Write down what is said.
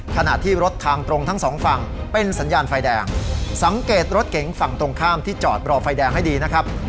ขณะที่รถทางตรงทั้งสองฝั่งเป็นสัญญาณไฟแดงสังเกตรถเก๋งฝั่งตรงข้ามที่จอดรอไฟแดงให้ดีนะครับ